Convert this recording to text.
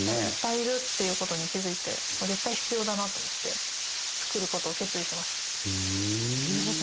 いっぱいいるっていうことに気付いて、絶対必要だなと思って、作ることを決意しました。